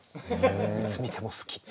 いつ見ても好き。